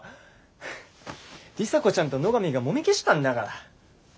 里紗子ちゃんと野上がもみ消したんだから。